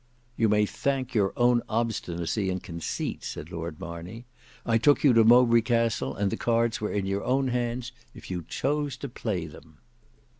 "You may thank your own obstinacy and conceit," said Lord Marney. "I took you to Mowbray Castle, and the cards were in your own hands if you chose to play them."